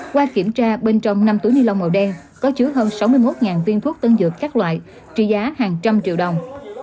qua kiểm tra bên trong năm túi ni lông màu đen có chứa hơn sáu mươi một viên thuốc tân dược các loại trị giá hàng trăm triệu đồng